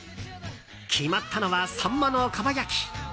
決まったのはサンマのかば焼き。